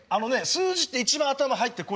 数字って一番頭に入ってこないの。